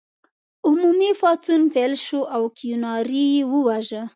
عمومي پاڅون پیل شو او کیوناري یې وواژه.